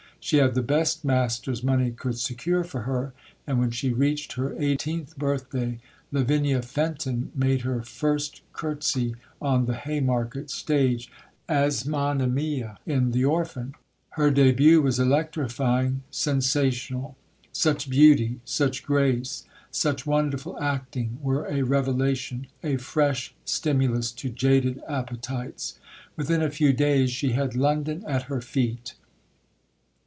She had the best masters money could secure for her; and when she reached her eighteenth birthday Lavinia Fenton made her first curtsy on the Haymarket stage as Monimia, in The Orphan. Her début was electrifying, sensational. Such beauty, such grace, such wonderful acting were a revelation, a fresh stimulus to jaded appetites. Within a few days she had London at her feet.